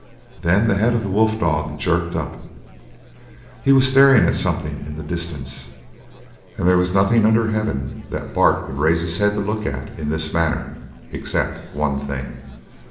Then the head of the wolf dog jerked up; he was staring at something in the distance, and there was nothing under heaven that Bart would raise his head to look at in this manner except one thing.